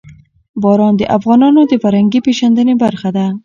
باران د افغانانو د فرهنګي پیژندنې برخه ده.